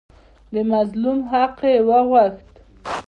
د مظلوم حق یې وغوښت.